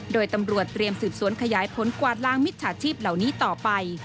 โดยตำรวจเตรียมสืบสวนขยายผลกวาดล้างมิจฉาชีพเหล่านี้ต่อไป